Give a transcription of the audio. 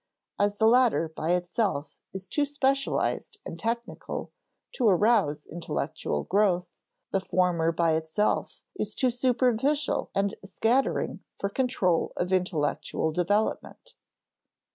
As the latter by itself is too specialized and technical to arouse intellectual growth, the former by itself is too superficial and scattering for control of intellectual development.